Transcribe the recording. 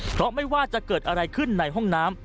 เพราะไม่ว่าจะเกิดอะไรขึ้นในห้องน้ำ